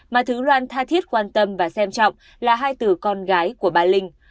mà thứ loan tha thiết quan tâm và xem trọng là hai từ con gái của bà linh